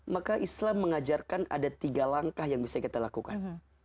maka islam mengajarkan ada tiga langkah yang bisa kita lakukan